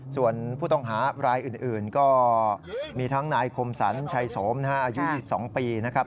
ส่วนผู้ต้องหารายอื่นก็มีทั้งนายคมสรรชัยโสมอายุ๒๒ปีนะครับ